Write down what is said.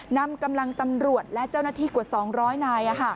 นำกำลังตำรวจและเจ้าหน้าที่กว่า๒๐๐นาย